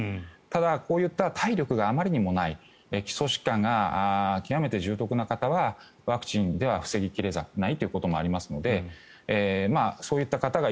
ただ、こういった体力があまりにもない基礎疾患が極めて重篤な方はワクチンでは防ぎ切れないということもありますのでそういった方が